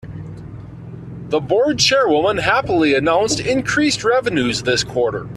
The board chairwoman happily announced increased revenues this quarter.